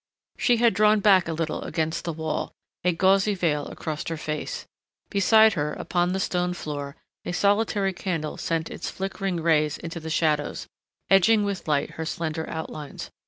She had drawn back a little against the wall, a gauzy veil across her face. Beside her, upon the stone floor, a solitary candle sent its flickering rays into the shadows, edging with light her slender outlines.